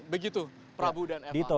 begitu prabu dan m a